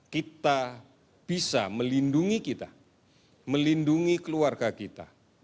kita bisa melindungi kita melindungi keluarga kita